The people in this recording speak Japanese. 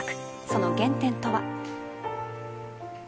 その原点とは。